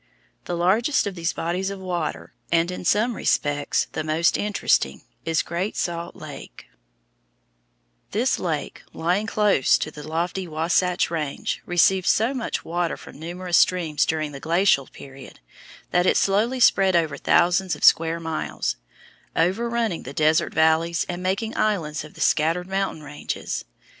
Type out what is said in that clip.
The largest of these bodies of water, and in some respects the most interesting, is Great Salt Lake. [Illustration: FIG. 53. OLD SHORE LINE OF LAKE BONNEVILLE Foot of the Wasatch Range] This lake, lying close to the lofty Wasatch Range, received so much water from numerous streams during the Glacial period that it slowly spread over thousands of square miles, overrunning the desert valleys and making islands of the scattered mountain ranges.